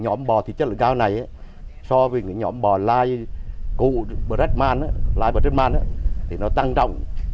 nhóm bò thịt chất lượng cao này so với nhóm bò lai cụ bredman tăng trọng